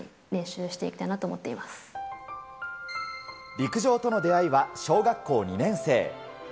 陸上との出会いは小学校２年生。